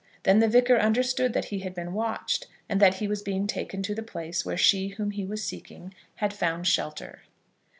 Then the Vicar understood that he had been watched, and that he was being taken to the place where she whom he was seeking had found shelter.